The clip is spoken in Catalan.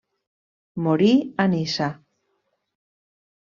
Morí a Niça.